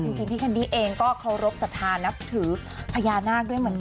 จริงพี่แคนดี้เองก็เคารพสัทธานับถือพญานาคด้วยเหมือนกัน